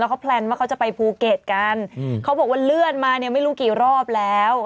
เขาแพลนว่าเขาจะไปภูเก็ตกันเขาบอกว่าเลื่อนมาเนี่ยไม่รู้กี่รอบแล้ว